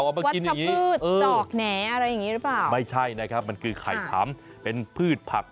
เป็นวัชพืชจอกแหน่อะไรอย่างนี้หรือเปล่าไม่ใช่นะครับมันคือไข่ขำเป็นพืชผัก